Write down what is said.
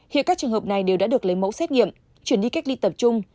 hiện các trường hợp này đều đã được lấy mẫu xét nghiệm chuyển đi cách ly tập trung